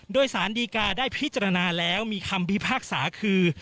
โดยสารดีกาได้พิจารณาแล้วมีคำพิพากษาคือ